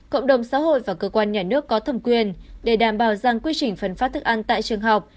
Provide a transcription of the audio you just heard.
cộng đồng xã hội và cơ quan nhà nước có thẩm quyền để đảm bảo rằng quy trình phân phát thức ăn tại trường học